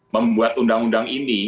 membuat undang undang ini